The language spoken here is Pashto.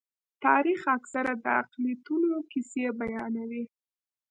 تاریخ اکثره د اقلیتونو کیسې بیانوي.